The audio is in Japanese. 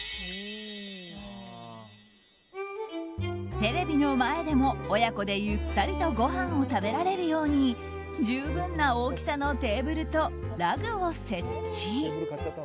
テレビの前でも親子でゆったりとごはんを食べられるように十分な大きさのテーブルとラグを設置。